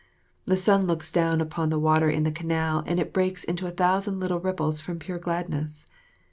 The sun looks down upon the water in the canal and it breaks into a thousand little ripples from pure gladness.